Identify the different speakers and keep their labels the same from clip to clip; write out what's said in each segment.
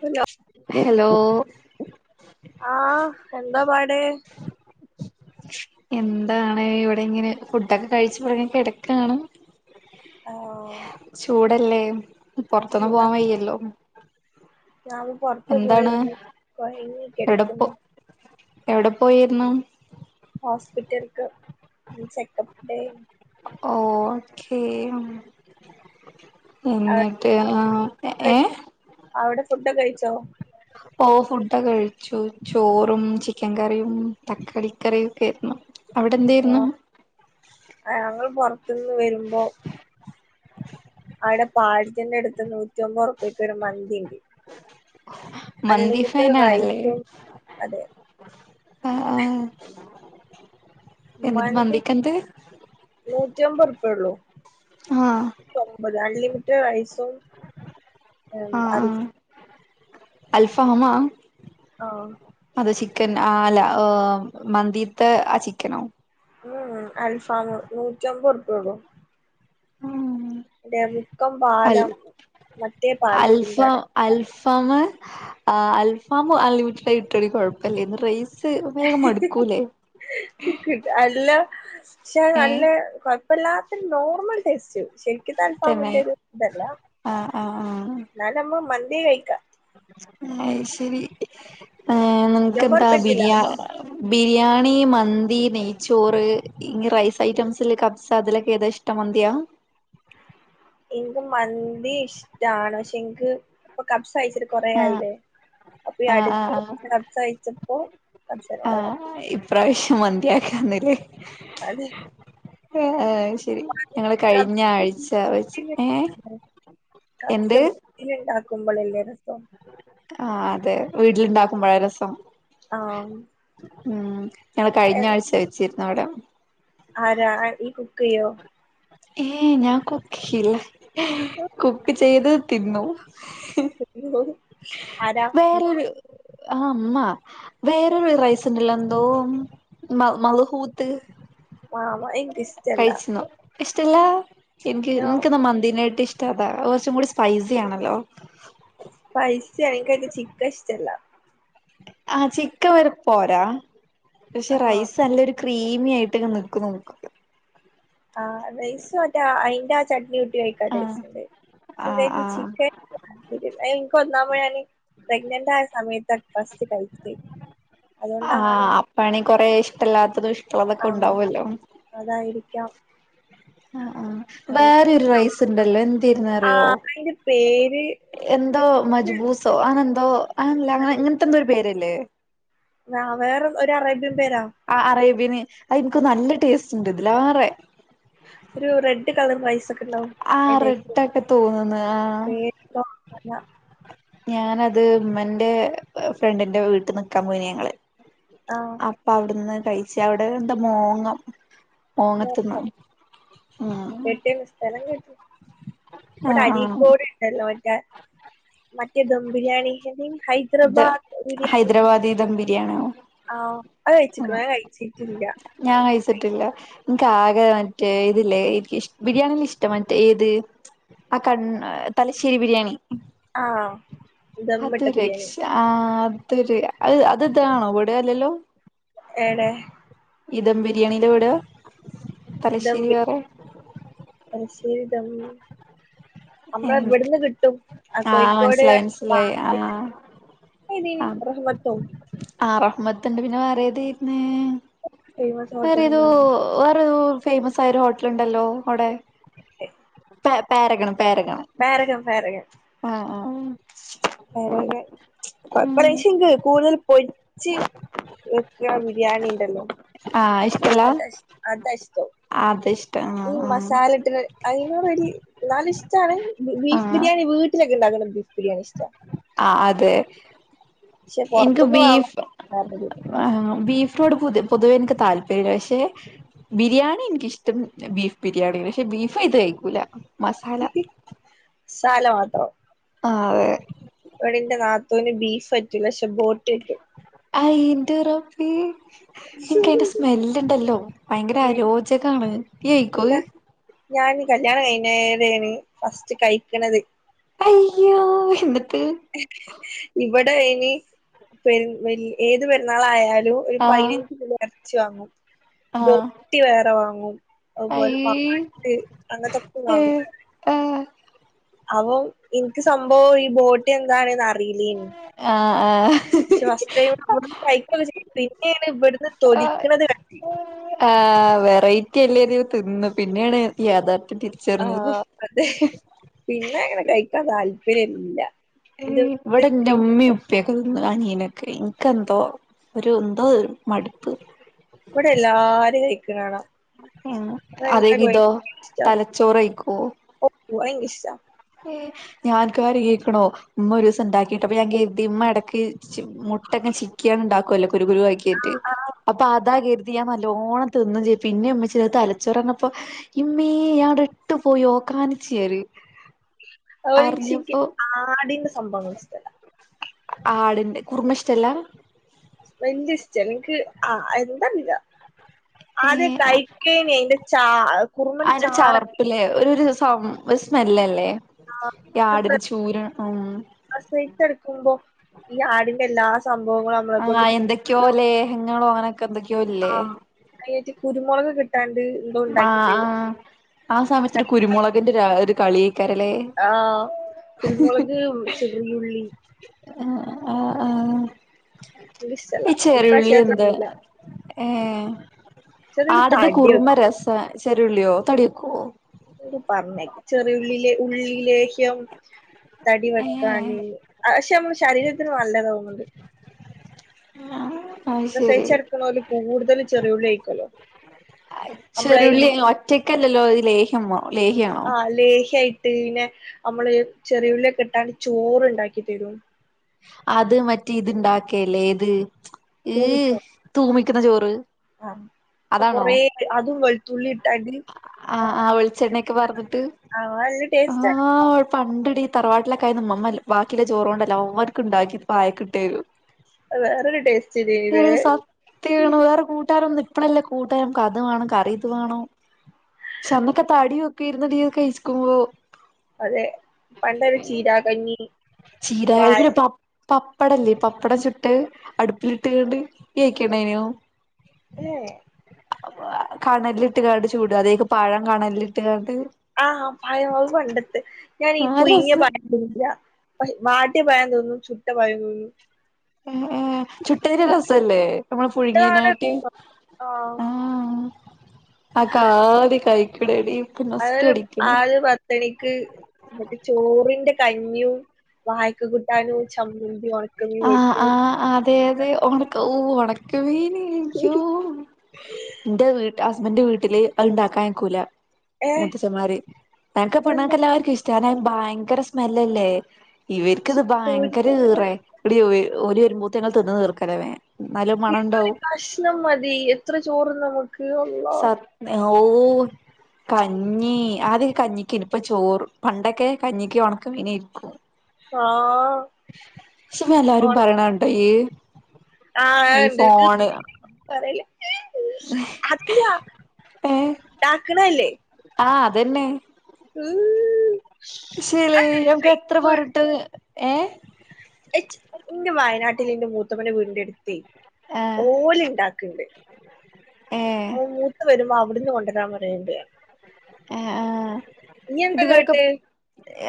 Speaker 1: Hello.
Speaker 2: Hello
Speaker 1: ആഹ് എന്താ പാട്.
Speaker 2: എന്താണ് ഇവിടെ ഇങ്ങനെ, ഫുഡൊക്കെ കഴിച്ചു ഇവടങ്ങ് കിടക്കാണ്.
Speaker 1: ആഹ്
Speaker 2: ചൂടല്ലേ. പൊറത്തൊന്നും
Speaker 1: ചൂടാ
Speaker 2: പോവാൻ വയ്യല്ലോ.
Speaker 1: ഞാൻ ഒന്ന് പുറത്ത് പോയി
Speaker 2: എന്താണ്
Speaker 1: വന്ന് കുഴങ്ങി
Speaker 2: എവിടെ പോ
Speaker 1: കിടക്കുന്നു.
Speaker 2: എവിടെ പോയിരുന്നു.
Speaker 1: ഹോസ്പിറ്റൽക്ക്, ചെക്കപ്പ് ഡേ
Speaker 2: ഓ.. ഓക്കേ എന്നിട്ട് ആ.. ഏ
Speaker 1: ആവിടെ ഫുഡ്കെകഴിച്ചോ?
Speaker 2: ഓ ഫുഡൊക്കെ കഴിച്ചു ചോറും, ചിക്കൻ കറിയും, തക്കാളി കറിയും, ഒക്കെ ആരുന്നു അവിടെ എന്തായിരുന്നു.
Speaker 1: ആഹ് ഞങ്ങൾ പുറത്തുന്ന് വരുമ്പോ അവിടെ പാടത്തിന്റെ അടുത്ത് നൂറ്റി അമ്പത് ർപക്ക് ഒരു മന്തി ഉണ്ട്.
Speaker 2: മന്തി
Speaker 1: അൺലിമിറ്റഡ് റൈസും അതെ
Speaker 2: ആ ആഹ് എന്നിട്ട് മന്തി കെന്ത് ആഹ്
Speaker 1: ശമ്പത് അൻലിമിറ്റെ് റൈസ്.
Speaker 2: ആഹ അൽഫാമ്മ.
Speaker 1: ആഹ്
Speaker 2: അത് ചിക്കൻ ആ അല്ല മന്തിത്തെ ആ ചിക്കനോ
Speaker 1: ഉം അൽഫാം നൂറ്റിമ്പത്ർപോള്ളൂ. അതെ മുക്കം
Speaker 2: അൽ
Speaker 1: പാലം മറ്റേ പാലത്തിന്റെ അടെ
Speaker 2: അൽഫാംഅൽഫാം അൺലിമിറ്റഡ് ആയിട്ട് കുഴപ്പല്ലേന്ന് റൈസ് വേഗം മടുക്കൂലേ
Speaker 1: നല്ലക്ഷാ
Speaker 2: ഏ
Speaker 1: നല്ല ഇപ്പൊ എല്ലാത്തിനും നോർമൽ ടെസ്റ്റ് ശരിക്കിത
Speaker 2: തന്നെ
Speaker 1: അൽഫാമിന്റെത് ഇതല്ല
Speaker 2: ആ ആ ആ
Speaker 1: എന്നാല് നമ്മള് മന്തി കഴിക്കാം.
Speaker 2: അ ശരി ഏ
Speaker 1: നൂറ്റമ്പത്
Speaker 2: നിങ്ങക്കെന്താ
Speaker 1: റുപ്യക്ക്
Speaker 2: ബിരിയാ
Speaker 1: ലാഭാ
Speaker 2: ബിരിയാണി, മന്തി, നെയ്ച്ചോറ്, ഇ റൈസ് ഐറ്റംസ്ല് കബ്സ അതിലൊക്കെ ഏതാഷ്ട ഇഷ്ടം മന്തിയാ
Speaker 1: എനിക്ക് മന്തി ഇഷ്ടാണ്. പക്ഷെ എനിക്ക് ഇപ്പ കബ്സ് കഴ്ച്ചി
Speaker 2: ആ
Speaker 1: കൊറായില്ലേ അപ്പൊ ഈ
Speaker 2: ആ ആ
Speaker 1: അടുത്ത്
Speaker 2: ആ
Speaker 1: കബ്സ കഴിച്ചപ്പോ ക്സോടെ
Speaker 2: ഈ പ്രാവശ്യം മന്തിയാക്കന്നില്ലേ
Speaker 1: അതെ
Speaker 2: ആഹ് ശരി ഞങ്ങള്
Speaker 1: കബ്സ
Speaker 2: കഴിഞ്ഞ ആഴ്ച വച്ച് നെ ഏ എന്ത്
Speaker 1: ഇ ഉണ്ടാക്കുമ്പോൾല്ലെ രസം
Speaker 2: ആ അതെ വീട്ടിലുണ്ടാക്കുമ്പഴേ രസം
Speaker 1: ആഹ്
Speaker 2: ഉം ഞങ്ങള് കഴിഞ്ഞ ആഴ്ച വെച്ചിരുന്നു അവിടെ
Speaker 1: ആരാ നി ഈ കുക്ക്യ്യോ
Speaker 2: ഏ ഞാൻ കുക്ക് ചെയ്ല്ല. കുക്ക് ചെയ്ത് തിന്നും
Speaker 1: ആരാ ഇമ്മ
Speaker 2: വേറൊരു ആഹ് അമ്മ വേറൊരു റൈസ് ഉണ്ടല്ലോ എന്തോ മ മള്ഹൂത്ത്
Speaker 1: ആ എി [unintelligible]
Speaker 2: കഴിച്ചിന്നോ ഇഷ്ടല്ല എനിക്ക്
Speaker 1: ഞാൻ
Speaker 2: നിനക്ക്ന്ന മന്തിയായിട്ട് ഇഷ്ട അത അതാ കുറച്ചും കൂടി സ്പൈസി ആണല്ലോ
Speaker 1: സ്‌പൈസി എനക്ക് അതിന്റെ ചിക്കൻ ഇഷ്ടമല്ല
Speaker 2: ആഹ ചിക്കൻ വരെ പോരാ പക്ഷെ
Speaker 1: ആഹ്
Speaker 2: റൈസ് നല്ല ക്രീമിയയിട്ടൊക്കെ നിക്കും നോക്ക
Speaker 1: ആ റൈസ മറ്റേ അതിന്റെ ആ ചട്നി കുട്ടി കഴിക്കാ
Speaker 2: ആഹ്
Speaker 1: ടേസ്റ്റ് ഉണ്ട്
Speaker 2: ആഹ്
Speaker 1: പക്ഷെ
Speaker 2: ആഹ്
Speaker 1: ചിക്കൻ എനിക്ക് ഒന്നാമത് പ്രെഗ്നന്റ്ആയ സമയത്ത് ബ്രഫാസ്റ്റ് കഴിച്ച അതുകൊണ്ടാണോ
Speaker 2: പണി കൊറെേ ഇഷ്ടമല്ലാത്തതും ഇഷ്ടമുള്ളതൊക്കെ
Speaker 1: ആഹ്
Speaker 2: ഉണ്ടാവുമല്ലോ
Speaker 1: അതായിരിക്കാം
Speaker 2: ആ ആ വേറെരു റൈസ് ഉണ്ടല്ലോ എന്തായിരുന്ന അറിയോ
Speaker 1: ആഹ് അയിന്റെ പേര്
Speaker 2: എന്തോ മജ്ബൂസോ ആനന്തോ ആനല്ല അങ്ങന ഇങ്ങനത്തെ എന്ത ഒരു പേര്ല്ലേ
Speaker 1: വ വേറെ ഒരു അറേബ്യൻ പേരാ
Speaker 2: ആ അറേബ്യന് അത് എനിക്ക് നല്ല ടേസ്റ്റ് ഉണ്ട് ഇതിലേറെ.
Speaker 1: ഒരു റെഡ് കളർ റൈസ് ഒക്കെ. ഉണ്ടാവും എടേക്ക്
Speaker 2: ആറഡൊക്കെ തോന്ന്ന് ആഹ്.
Speaker 1: പേരൊക്കെ വാങ്ങാ
Speaker 2: ഞാനത് ഉമ്മന്റെ ഫ്രണ്ടിന്റെ വീട്ടിൽ നിക്കാൻ പോയിന് ഞങ്ങള്.
Speaker 1: ആഹ്.
Speaker 2: അപ്പ അവിടുന്ന് കഴിച്ച അവിടെ എന്താ മോങ്ങം. മോങ്ങത്ത്ന്നോ
Speaker 1: മോങ്ങ്
Speaker 2: ഉം
Speaker 1: എവിടെയാണ് സ്ഥലം കേട്ടു. ഇപട
Speaker 2: ആഹ് ആഹ്
Speaker 1: അരികോട്. ഹലോട്ടാ മറ്റേ തംബിരിയാണിക്കാട്ടിം. ഹൈദരാബാദ് ബിരിയാണി.
Speaker 2: ആണോ.
Speaker 1: ആഹ് അത് കഴിച്ചിക്ണ്ടൊ ഞാൻ കഴിച്ചിട്ടില്ല.
Speaker 2: ഞാൻ കഴിച്ചിട്ടില്ല. എനിക്ക് ആകെ മറ്റേ ഇതില്ലേ എനിക്ക് ഫിഷ് ബിരിയാണി ഇഷ്ടം മറ്റേ ഇത്.. ആ കണ് തലശ്ശേരി ബിരിയാണി.
Speaker 1: ആഹ് ദം ഇട്ട ബിരിയാണി.
Speaker 2: ആഹ് അതൊരു അ അത് ഇതാണോ ഇവിടെല്ലല്ലോ.
Speaker 1: എവടേ.
Speaker 2: ഇ തംബിരിയാണിയിലോവിടെ.
Speaker 1: ദം തലശരി ദം. നമ്മള ഇവിടന്ന് കിട്ടും ആ കോഴിക്കോട്.
Speaker 2: മനസ്സിലായി മനസ്സിലായി ആ
Speaker 1: ഏതേനി
Speaker 2: ആ
Speaker 1: റഹ്മത്തോ
Speaker 2: ആറഹമ്മത്ണ്ട് പിന്നെ വേറെ ഏതായിരുന്.
Speaker 1: ഫേമസ്
Speaker 2: വേറെതോ
Speaker 1: ഹോട്ടലിന്റെ
Speaker 2: വേറേതോ ഫേമസ് ആയ ഒരു ഹോട്ടൽ ഉണ്ടല്ലോ. ടെ പാരകണ് പാരകണ്ട്.
Speaker 1: Paragon Paragon.
Speaker 2: ആഹ് ആ ആ.
Speaker 1: വെറെന്താ കൊഴപ്പല്ലപക്ഷെ ഇക്ക്റിയാക് കൂടുതൽ പോയി. രിച് വെക്കുന്ന ബിരിയാണി ഉണ്ടല്ലോ
Speaker 2: ആ
Speaker 1: അത അതാ ഇഷ്ടം.
Speaker 2: ആ അത് ഇഷ്ട ആ ആ.
Speaker 1: മസാലട്ട് അയ്നുറെടി എന്നാല് ഇഷ്ടാണ്
Speaker 2: ആ
Speaker 1: ബീഫ് ബിരിയാണി വീട്ടിലൊക്കെ ഇണ്ടാക്ണെ ബീഫ് ബിരിയാണി ഇഷ്ട
Speaker 2: ആഹ് അതെ
Speaker 1: പക്ഷെ
Speaker 2: ഇൻക്ക്
Speaker 1: പുറത്തുന്ന് വാങ്ങും
Speaker 2: ബീഫ് ആണോ ബീഫിനോട് പൊതുവേ ഇൻക്ക് താല്പര്യല്ല പക്ഷെ ബിരിയാണി എനിക്കിഷ്ടം ബീഫ് ബിരിയാണിന്നെ പക്ഷെ ബീഫ് അയ്ത്തെ കഴിക്കൂല മസാല
Speaker 1: സാല മാത്രം
Speaker 2: [unintelligible]
Speaker 1: ഇവടന്റെ നാത്തൂന് ബീഫ് പറ്റൂല പക്ഷെ ബോട്ടി പറ്റും
Speaker 2: അയ്ന്റെ റബ്ബെ ഇൻക്ക് അയിന്റെ സ്മെല്ല് ഇണ്ടല്ലോ ഭയങ്കര
Speaker 1: ഉം
Speaker 2: അരോ ച്ച കാണ് ഇയ്യ് കയിക്കോ അത്
Speaker 1: എന്താ ഞാൻ കല്യാണം കഴിഞ്ഞാരെണ് ഫസ്റ്റ് കഴിക്ണത്
Speaker 2: അയ്യോ എന്നിട്ട്
Speaker 1: ഇവടെ അയ്ന് പെര് വെ ഏത് പെരുന്നാളായാലും ഒരു
Speaker 2: ആ
Speaker 1: പയ്നഞ്ച് കിലോ എറച്ചി വാങ്ങും
Speaker 2: ആ
Speaker 1: ബോട്ടി വേറെ വാങ്ങും അതുപോലെ
Speaker 2: അയ്യേ
Speaker 1: [unintelligible] അങ്ങൻത്തൊക്കെ
Speaker 2: ഏ
Speaker 1: വാങ്ങും
Speaker 2: ആ
Speaker 1: അപ്പം ഇൻക്ക് സംഭവം ഈ ബോട്ടി എന്താണന്ന് അറിയില്ലേനു
Speaker 2: ആഹ് ആഹ്
Speaker 1: പക്ഷെ ഫസ്റ്റ് ടൈം നമ്മള് കഴിക്കൊക്കെ ചെയ്യ പിന്നെണ് ഇവടുന്ന് തൊലിക്ണത് ക
Speaker 2: ആഹ് വെറൈറ്റി അല്ലേ കരുതി തിന്ന് പിന്നെണ് യാഥാർത്ഥ്യം തി
Speaker 1: ആഹ് അതെ പിന്നെ അങ്ങനെ കഴിക്കാൻ താല്പര്യല്ല
Speaker 2: ഏഹ്
Speaker 1: ഇത്
Speaker 2: ഇവടെ ഇന്റെ ഉമ്മീം ഉപ്പൊക്കെ തിന്നും അനീയനൊക്കെ ഇൻക്ക് എന്തോ ഒരു എന്തോ ഒരു മടുപ്പ്
Speaker 1: ഇവടെ എല്ലാരും കഴിക്ണ് കാണാ
Speaker 2: ഉം അതേ ഗിതോ തലച്ചോറ് കഴിക്കോ?
Speaker 1: ഉ എനി‌ക്കിഷ്ടാ
Speaker 2: [unintelligible] കേക്കണോ ഉമ്മ ഒരിസംണ്ടാക്കിട്ട് അപ്പ ഞാൻ കേര്തി ഉമ്മ എടക്ക് മുട്ടക്കെ ചിക്കിയാണ്ട് ഇണ്ടാക്കുല്ലോ കുരു കുരുവാക്കി അപ്പൊ അതാ കരുതി ഞാൻ നല്ലോണ്ണം തിന്നും ചെയ്ത് പിന്നെയാ ഉമ്മച്ചി അത് തലച്ചോറാന്നർഞ്ഞപ്പോ ഇമ്മെ ഞാൻ ഔടെ ഇട്ടു പോയി ഓക്കാനിച്ച് ഞാന്
Speaker 1: അതുപോലെ ഇൻക്ക് ശരിക്ക് ആടിന്റെ സംഭവങ്ങള് ഇഷ്ടല്ല
Speaker 2: ആടിന്റെ കുർമ ഇഷ്ടല്ല?
Speaker 1: വല്യ ഇഷ്ടല്ല ഇൻക്ക് ആഹ് എന്താ അറീല
Speaker 2: ഏ
Speaker 1: ആദ്യം
Speaker 2: ആ
Speaker 1: കഴിക്കേനി അയ്ന്റെ ചാ കുറുമെന്റെ ചാറൊക്കെ
Speaker 2: ഇല്ലേ ഒരു ഒരു സൗ ഒരു സ്മെല്ലല്ലേ
Speaker 1: ചാറൊക്കെ
Speaker 2: ആടിന്റെ ചൂരും ഉം
Speaker 1: പ്രസവിച്ചെടുക്കുമ്പോ ഈ ആടിന്റെ എല്ലാ സംഭവങ്ങളും നമ്മളെ കൊണ്ട് തീ
Speaker 2: ക്കോലെ ഇങ്ങളോ ഓനോക്കെ എന്തൊക്ക്യോ ല്ലേ
Speaker 1: കയ്യേറ്റി കുരുമുളക് കിട്ടാൻട്ട്
Speaker 2: ആഹ് ആഹ് ആഹ് സമയത്തൊരു കുരുമൊളകിന്റെ രാ ഒരു കളിയ്ക്കാരല്ലേ
Speaker 1: ആഹ് കുരുമൊളക് ചെറിയുള്ളി
Speaker 2: ആഹ് ആഹ് ആഹ്
Speaker 1: എനിക്കിഷ്ടല്ല
Speaker 2: ഈ ചെറിയുള്ളി
Speaker 1: ഇപ്രാവശ്യം അത്
Speaker 2: എന്താ
Speaker 1: തിന്നൂല
Speaker 2: ഏഹ്
Speaker 1: ചെറിയുള്ളി
Speaker 2: ആടിന്റെ
Speaker 1: തടി
Speaker 2: കുറുമ
Speaker 1: വെക്കും
Speaker 2: രസാ ചെറിയുള്ളിയോ തടി ക്കോ?
Speaker 1: ഓല് പർഞ്ഞെക്കാ ചെറിയുള്ളില് ഉള്ളി ലേഹ്യം തടി
Speaker 2: ഏ
Speaker 1: വെക്കാന് പക്ഷെ അമ്മളെ ശരീരത്തിന് നല്ലതാ തോന്ന്ണ്ട്
Speaker 2: ആഹ്
Speaker 1: പ്രസവിച്ച് കെടക്കണോല് കൂടുതല് ചെറിയുള്ളി കഴിക്കൂല്ലോ
Speaker 2: ചെറിയുള്ളി ഒറ്റക്കല്ലല്ലോ അത് ലേഹ്യമോ ലേഹ്യാണോ
Speaker 1: ആഹ് ലേഹ്യായി ട്ട് പിന്നെ നമ്മള് ചെറിയുള്ളിയൊക്കെ ഇട്ടാണ്ട് ചോറുണ്ടാക്കി തരും
Speaker 2: അത് മറ്റേ ഇത് ഉണ്ടാക്കയല്ലേ ഏത് ഇ
Speaker 1: തൂമിച്ചോറ്
Speaker 2: തൂമിക്കണ ചോറ്
Speaker 1: ആഹ് ഇപ്പൊ
Speaker 2: അതാണോ
Speaker 1: കൊറേ അതും വെളുത്തുള്ളി ഇട്ടാണ്ട്
Speaker 2: ആഹ് ആഹ് വെളിച്ചെണ്ണയൊക്കെ വറത്തിട്ട്
Speaker 1: ആഹ് നല്ല ടേസ്റ്റാ
Speaker 2: ആഹ് പണ്ടെടി ഈ തറവാട്ടിലൊക്കെ ആയ മമ്മല്ലോ ബാക്കിയിള്ള ചോറ് കൊണ്ടെല്ലാം [unintelligible]
Speaker 1: അത് വേറൊരു ടേസ്റ്റ് [unintelligible]
Speaker 2: തീർന്നു വേറെ കൂട്ടാനൊന്നും ഇപ്പളല്ലേ കൂട്ടാൻ അത് വേണം കറി ഇത് വേണം പക്ഷെ അന്നൊക്കെ തടിയൊക്കെ ആരുന്നെടി [unintelligible]
Speaker 1: അതെ പണ്ടല്ലെ ചീരാകഞ്ഞി
Speaker 2: ചീര
Speaker 1: വാൾ
Speaker 2: പിന്നെ പ പപ്പടല്ലേ പപ്പടം ചുട്ട് അടുപ്പിലിട്ടങ്ങാണ്ട് കേക്കിണേന്യോ
Speaker 1: അല്ലേ
Speaker 2: കനലിലിട്ടുകാണ്ട് ചൂടും അതു പോണക്ക് പഴം കനലിലിട്ടുകാണ്ട്
Speaker 1: ആഹ് പഴം അത് കണ്ടിട്ട് ഞാനീ
Speaker 2: ആ രസ
Speaker 1: പുയിങ്ങിയ പഴം ഇല്ല വാട്ടിയ പഴം തിന്നും ചുട്ട പഴം തിന്നും
Speaker 2: ഉം ഉം ചുട്ടതിലും രസവല്ലേ നമ്മള് പുഴുങ്ങിനാട്ടി
Speaker 1: ആഹ്
Speaker 2: അതൊക്കെ ആതി കഴിക്കണേടി
Speaker 1: അതായല് ആദ്യം പത്ത്‌ മണിക്ക് മറ്റേ ചോറിന്റെ കഞ്ഞിയും വാഴക്കാ കൂട്ടാനും ചമ്മന്തിയും
Speaker 2: ആഹ് ആഹ് അതെ അതെ ഒണക്ക ഓ ഒണക്ക മീൻ ഇയ്യോ എന്റെ വീട്ട് ഹസ്ബഡിന്റെ വീട്ടില് അതുണ്ടാക്കാൻ നിക്കൂല
Speaker 1: ഏഹ്
Speaker 2: മുത്തച്‌ഛൻമാര് എനക്ക് പെണ്ണുങ്ങൾക്ക്
Speaker 1: എന്താ
Speaker 2: എല്ലാവർക്കും ഇഷ്ടാവാ കാരണം ഭയങ്കര സ്മെല്ലല്ലേ ഇവർക്കിത് ഭയങ്കര
Speaker 1: പൊരിച്ച
Speaker 2: ഇറെ എടി ഓര് വരുപത്തേന് അത് തിന്ന് തീർക്കല്ലേ വേ നല്ല മണം ഉണ്ടാവും
Speaker 1: ഷണം മതി എത്ര ചോറും നമ്മക്ക് ഉണ്ണാം
Speaker 2: സത് ഓ കഞ്ഞി ആദ്യവൊക്കെ കഞ്ഞിക്കായിനി ഇപ്പ ചോറ് പണ്ടൊക്കെ കഞ്ഞിക്ക് ഒണക്ക മീനായിരുന്നു
Speaker 1: [inaudible]
Speaker 2: [unintelligible] എല്ലാരും പറയണ ഉണ്ട് ഈ
Speaker 1: ആഹ് ഇണ്ട്
Speaker 2: ഫോണ്
Speaker 1: പറേല്ല അതില്ല
Speaker 2: ഏ
Speaker 1: ഉണ്ടാക്കണല്ലേ
Speaker 2: ആഹ് അത് തന്നെ
Speaker 1: [inaudible] ആ,
Speaker 2: പക്ഷേല് നമ്മക്ക് എത്ര
Speaker 1: ഫെക്കുൾ.
Speaker 2: പറഞ്ഞിട്ട് ഏ
Speaker 1: എന്റെ വയനാട്ടിൽ എന്റെ മൂത്തമ്മേൻ്റെ വീടിൻ്റെ അടു ത്തെ
Speaker 2: ആഹ്
Speaker 1: ഓല് ഉണ്ടാക്കണ്ട്
Speaker 2: ഏ
Speaker 1: അപ്പോ മൂത്ത്‌ വരുമ്പോ അവിടുന്ന് കൊണ്ടുവരാൻ പറയണ്ട് ഞാ
Speaker 2: ആ ആഹ്
Speaker 1: എന്താ
Speaker 2: ഇതുവരൊക്കെ
Speaker 1: കേട്ട്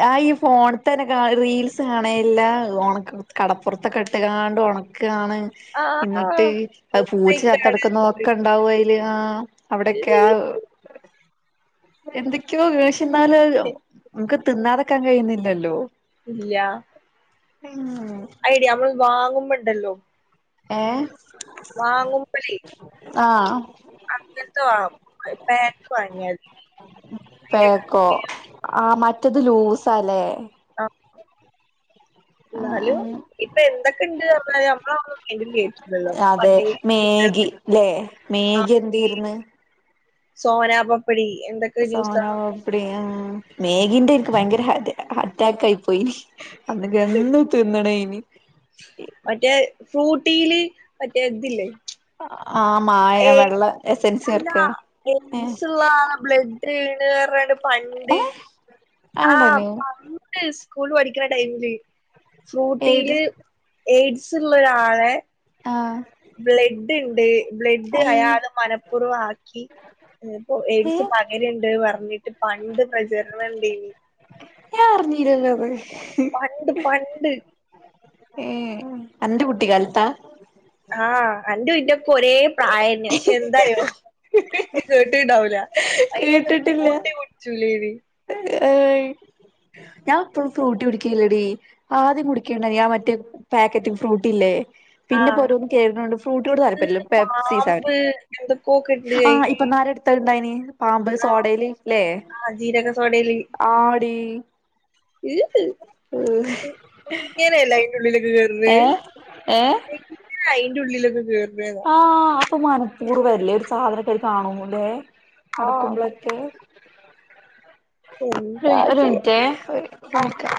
Speaker 2: ആഹ് ഈ ഫോണത്തെ റീൽസ് കാണേ എല്ലാ ഉണക്ക കടപ്പുറത്തൊക്കെ ഇട്ടങ്ങാണ്ട് ഒണ ക്കാണ്
Speaker 1: ആ ആ,
Speaker 2: എന്നിട്ട് അത് പൂച്ച ചത്ത്‌
Speaker 1: മൂത്തയ്ക്കാണ്
Speaker 2: കിടക്കുന്നതൊക്കെ ഉണ്ടാവും അതില് ആഹ് അവിടൊക്കെ ആഹ് എന്തൊക്കെയോ പക്ഷെ എന്നാല് നമ്മക്ക് തിന്നാതക്കാൻ കഴിയുന്നില്ലല്ലോ
Speaker 1: ഇല്ല
Speaker 2: പിന്നെ
Speaker 1: അയ്ടീ അമ്മള്ള് വാങ്ങുമ്പോണ്ടല്ലോ
Speaker 2: ഏഹ് ആഹ്
Speaker 1: അങ്ങൻത്ത വാങ പാക്ക് വാങ്ങിയാതി പീട്യ
Speaker 2: ഓഹ് ആഹ് മറ്റത് ലൂസല്ലേ
Speaker 1: ആഹ് ന്നാലും ഇപ്പൊ എന്തൊക്കെണ്ട് നമ്മളന്നും കണ്ടില്ലേർന്നല്ലോ
Speaker 2: അതെ
Speaker 1: പണ്ടേ
Speaker 2: മേഗി അല്ലേ
Speaker 1: ആ
Speaker 2: മേഗി എന്താർന്ന്
Speaker 1: സോനാ പപ്പടി എന്തൊ
Speaker 2: സോനാ പപ്പടി ആഹ് മേഗിന്റെ ഇൻക്ക് ഭയങ്കര ഹാറ്റ് അറ്റാക്ക് ആയി പോയി അന്നൊക്കെ എന്നും തിന്ന്ണേനി
Speaker 1: മറ്റേ ഫ്രൂട്ടീല് മറ്റേ ഇതില്ലേ
Speaker 2: ആഹ് മായ
Speaker 1: ഏയ്
Speaker 2: വെള്ള എസ്സൻസ് ചേർക്ക ഏഹ്
Speaker 1: ബ്ലഡ് വീണ് പറഞ്ഞാണ്ട് പണ്ട്
Speaker 2: ഏ ആണടനു
Speaker 1: ആഹ് സ്കൂൾ പഠിക്കുന്ന ടൈമില്
Speaker 2: ഏട്
Speaker 1: ഫ്രൂട്ടീല് എയ്ഡ്സ് ഉള്ളാരാളെ
Speaker 2: ആഹ്
Speaker 1: ബ്ലഡ്ണ്ട് ബ്ലഡ്
Speaker 2: അയ്
Speaker 1: അയാൾ മനപ്പൂർവം ആക്കി പ്പോ
Speaker 2: ഏ
Speaker 1: എയ്ഡ്സ് പട ര്ണ്ട് പറഞ്ഞിട്ട് പണ്ട് പ്രചരണംണ്ടേനി
Speaker 2: ഞാൻ അറിഞ്ഞീലല്ലോ അത്
Speaker 1: പണ്ട് പണ്ട്
Speaker 2: ഏഹ് അൻ്റെ കുട്ടികാല്ത്താ
Speaker 1: ആഹ് അൻ്റെ ഇന്റെ ഒക്കൊരു ഒരെ പ്രായന്നെ പക്ഷെ എന്താറിയോ ജി കേട്ട്ണ്ടാവൂല അയിനേശം
Speaker 2: കേട്ടിട്ടില്ല
Speaker 1: [unintelligible]
Speaker 2: ഏയ് ഞാൻ പ്പഴും ഫ്രൂട്ടി കുടിക്കില്ലടി ആദ്യം കുടിക്കേണ്ടായീനി ആഹ് മറ്റേ പാക്കറ്റും ഫ്രൂട്ടി ല്ലേ പിന്നെ
Speaker 1: ആഹ്
Speaker 2: പോരോന്ന് കേക്ക്ണോണ്ട് ഫ്രൂട്ടിനോട് താല്പര്യല്ല
Speaker 1: ഫുള്ള്
Speaker 2: പെപ്‌സി സെവ
Speaker 1: പാമ്പ് [unintelligible]
Speaker 2: ആഹ് ഇപ്പൊനാര എടുത്തണ്ടായിനി പാമ്പ്
Speaker 1: ആഹ്
Speaker 2: സോടെൽ ല്ലേ
Speaker 1: ആഹ് ജീരക സോടെൽ
Speaker 2: ആടി
Speaker 1: ഈഹ് എങ്ങനേലെ അയ്ന്റുള്ളിലൊക്കെ കേറണ
Speaker 2: ഏ ഏ
Speaker 1: അയ്ന്റെുള്ളിലൊക്കെ കേറ്ണത്
Speaker 2: ആഹ് അപ്പൊ മനപ്പൂർവല്ലേ ഒരു സാധനൊക്കെ കാണുല്ലേ
Speaker 1: ആഹ്
Speaker 2: നടക്കുമ്പോഴൊക്കെ ഒ
Speaker 1: എന്താ
Speaker 2: ഒരു
Speaker 1: ചെയ്യാ
Speaker 2: മിനിറ്റേ ഇപ്പാ
Speaker 1: ആ
Speaker 2: വിളിക്ക